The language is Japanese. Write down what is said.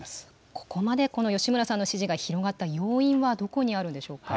ここまで、この吉村さんの支持が広がった要因はどこにあるんでしょうか。